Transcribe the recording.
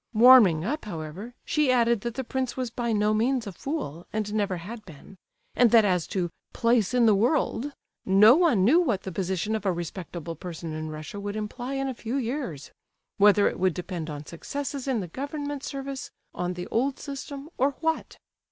Warming up, however, she added that the prince was by no means a fool, and never had been; and that as to "place in the world," no one knew what the position of a respectable person in Russia would imply in a few years—whether it would depend on successes in the government service, on the old system, or what.